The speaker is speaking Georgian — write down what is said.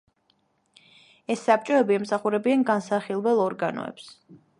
ეს საბჭოები ემსახურებიან განსახილველ ორგანოებს.